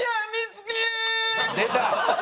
出た！